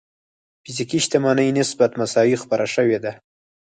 فزيکي شتمنۍ نسبت مساوي خپره شوې ده.